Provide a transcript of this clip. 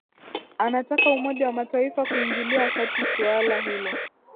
anataka umoja wa mataifa kuingilia kati suala hilo